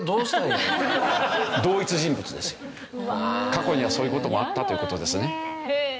過去にはそういう事もあったという事ですね。